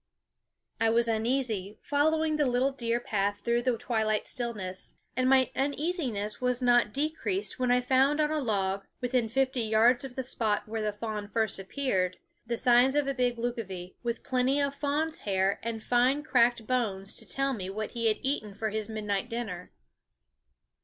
I was uneasy, following the little deer path through the twilight stillness; and my uneasiness was not decreased when I found on a log, within fifty yards of the spot where the fawn first appeared, the signs of a big lucivee, with plenty of fawn's hair and fine cracked bones to tell me what he had eaten for his midnight dinner.